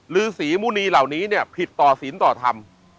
ฤษีมุณีเหล่านี้เนี่ยผิดต่อศีลต่อธรรม